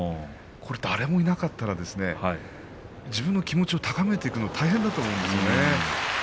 誰もいなかったら自分の気持ちを高めていくのが大変だと思います。